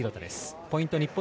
ポイント、日本。